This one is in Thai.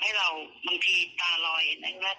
ผ่านการพักผ่อนพักผ่อนให้พูดต่อ